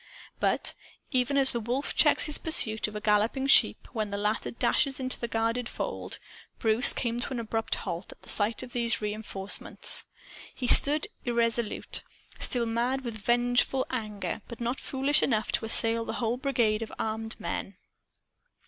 But even as a wolf checks his pursuit of a galloping sheep when the latter dashes into the guarded fold Bruce came to an abrupt halt, at sight of these reenforcements. He stood irresolute, still mad with vengeful anger, but not foolish enough to assail a whole brigade of armed men.